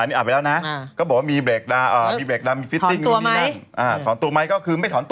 อันนี้อ่าบไปแล้วเมื่อวาน